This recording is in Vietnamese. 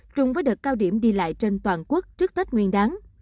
chung với đợt cao điểm đi lại trên toàn quốc trước tết nguyên đáng